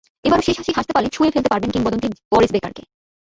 এবারও শেষ হাসি হাসতে পারলে ছুঁয়ে ফেলতে পারবেন কিংবদন্তি বরিস বেকারকে।